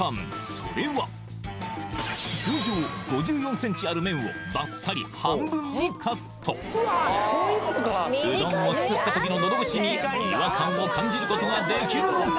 それは通常５４ｃｍある麺をバッサリ半分にカットうどんをすすった時の喉越しに違和感を感じることができるのか？